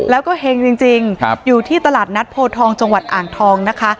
แล้วก็เห็งจริงอยู่ที่ตลาดนัดโพทองจังหวัดอ่างทองนะคะ